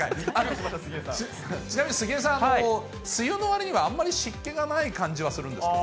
ちなみに杉江さん、梅雨のわりにはあんまり湿気がない感じがするんですけど。